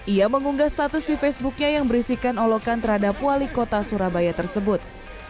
ia mengunggah status di facebooknya yang berisikan olokan terhadap wali kota surabaya tersebut